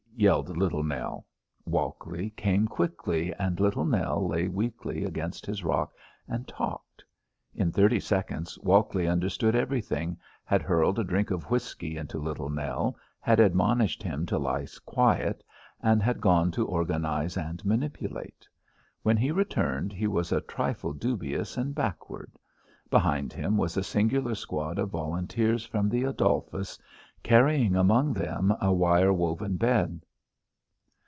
yelled Little Nell. Walkley came quickly, and Little Nell lay weakly against his rock and talked. In thirty seconds Walkley understood everything, had hurled a drink of whisky into Little Nell, had admonished him to lie quiet, and had gone to organise and manipulate. When he returned he was a trifle dubious and backward. Behind him was a singular squad of volunteers from the Adolphus, carrying among them a wire woven bed.